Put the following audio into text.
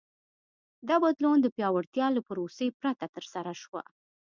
دا بدلون د پیاوړتیا له پروسې پرته ترسره شو.